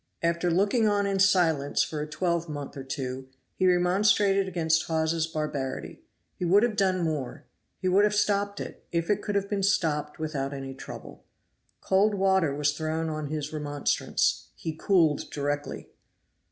After looking on in silence for a twelvemonth or two he remonstrated against Hawes's barbarity. He would have done more; he would have stopped it if it could have been stopped without any trouble. Cold water was thrown on his remonstrance; he cooled directly!